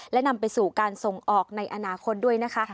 และนำไปสู่การส่งออกในอนาคตด้วยนะคะ